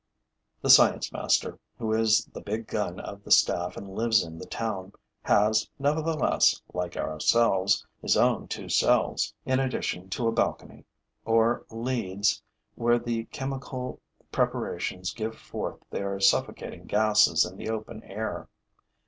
The science master, who is the big gun of the staff and lives in the town, has nevertheless, like ourselves, his own two cells, in addition to a balcony, or leads, where the chemical preparations give forth their suffocating gases in the open air.